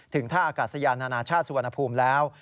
ท่าอากาศยานานาชาติสุวรรณภูมิแล้ว